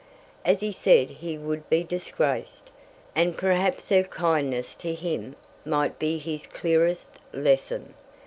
As he said he would be disgraced, and perhaps her kindness to him might be his clearest lesson.